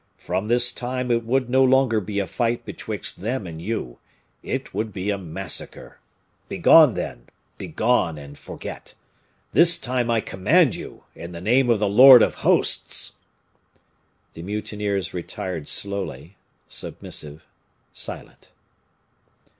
"From this time it would no longer be a fight betwixt them and you it would be a massacre. Begone, then, begone, and forget; this time I command you, in the name of the Lord of Hosts!" The mutineers retired slowly, submissive, silent.